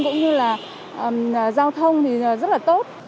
cũng như là giao thông thì rất là tốt